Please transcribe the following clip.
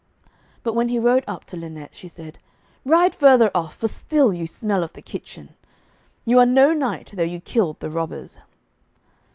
But when he rode up to Lynette, she said, 'Ride further off, for still you smell of the kitchen.' 'You are no knight, though you killed the robbers.'